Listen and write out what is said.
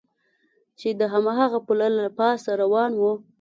چې د هماغه پله له پاسه روان و.